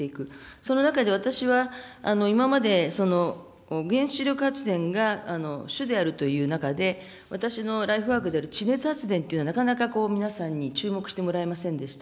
その中で、私は今まで、原子力発電が主であるという中で、私のライフワークである地熱発電という、なかなか皆さんに注目してもらえませんでした。